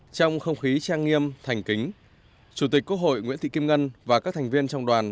trong không khí trang nghiêm thành kính chủ tịch quốc hội nguyễn thị kim ngân và các thành viên trong đoàn